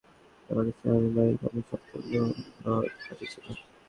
একাত্তর সালের মুক্তিযুদ্ধের সময় তারা পাকিস্তানের হানাদার বাহিনীর পক্ষে সপ্তম নৌবহর পাঠিয়েছিল।